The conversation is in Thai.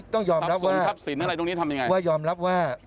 ต้องยอมรับว่าควมทรัพย์สินอะไรทำอย่างไรต้องยอมรับว่า